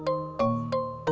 lo mau ke warung dulu